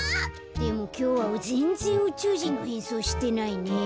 でもきょうはぜんぜんうちゅうじんのへんそうしてないね。